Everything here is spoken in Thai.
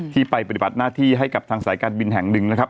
ไปปฏิบัติหน้าที่ให้กับทางสายการบินแห่งหนึ่งนะครับ